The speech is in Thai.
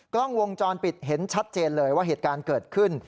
กล้องวงจรปิดเห็นชัดเจนเลยว่าเหตุการณ์เกิดขึ้น